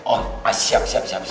oh siap siap siap